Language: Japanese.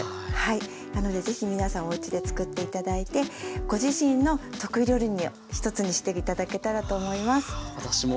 なのでぜひ皆さんおうちで作って頂いてご自身の得意料理の一つにして頂けたらと思います。